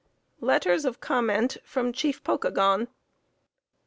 LETTERS OF COMMENT FROM CHIEF POKAGON.